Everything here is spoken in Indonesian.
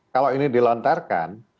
kalau ini dilontarkan